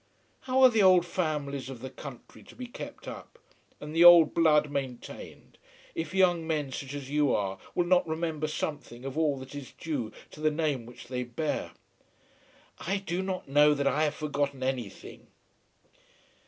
How are the old families of the country to be kept up, and the old blood maintained if young men, such as you are, will not remember something of all that is due to the name which they bear." "I do not know that I have forgotten anything."